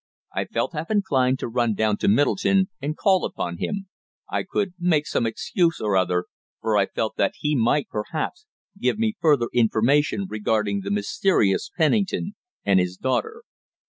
I felt half inclined to run down to Middleton and call upon him. I could make some excuse or other, for I felt that he might, perhaps, give me some further information regarding the mysterious Pennington and his daughter.